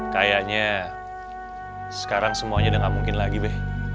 kayaknya sekarang semuanya udah gak mungkin lagi be